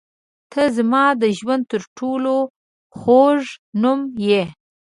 • ته زما د ژوند تر ټولو خوږ نوم یې.